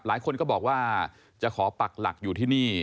หลายคนก็บอกว่าจะขอปักหลักอยู่ที่นี่